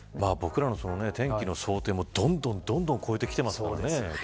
僕らの天気の想定もどんどん超えきてますからね。